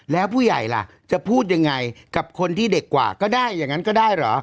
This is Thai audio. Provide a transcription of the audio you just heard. แล้วผู้ใหญ่ล่ะจะพูดยังไงกับคนที่เด็กกว่าก็ได้อย่างนั้นก็ได้เหรอ